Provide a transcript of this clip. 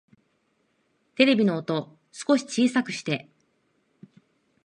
テレビの音、少し小さくして